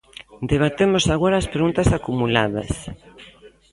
Debatemos agora as preguntas acumuladas.